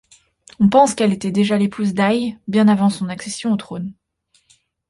On pense qu'elle était déjà l'épouse d'Aÿ bien avant son accession au trône.